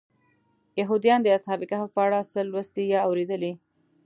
یهودیان د اصحاب کهف په اړه څه لوستي یا اورېدلي.